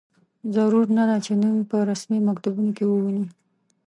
ضرور نه ده چې نوم په رسمي مکتوبونو کې ووینو.